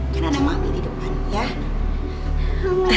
kan ada mami di depan ya